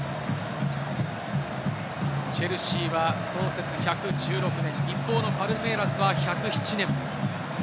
チェルシーは創設１１６年、一方のパルメイラスは１０７年。